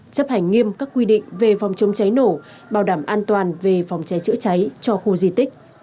chấp hành nghiêm các quy định về phòng chống cháy nổ bảo đảm an toàn về phòng cháy chữa cháy cho khu di tích